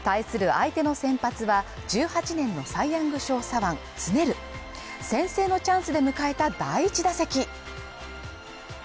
相手の先発は１８年のサイ・ヤング賞左腕スネル、先制のチャンスで迎えた第１打席。